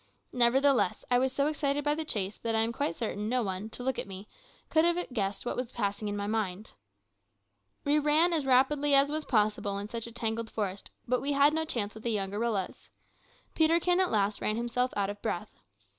Nevertheless I was so excited by the chase that I am quite certain no one, to look at me, could have guessed what was passing in my mind. We ran as rapidly as was possible in such a tangled forest, but we had no chance with the young gorillas. Peterkin at last ran himself out of breath.